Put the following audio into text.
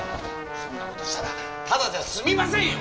そんな事したらタダじゃ済みませんよ！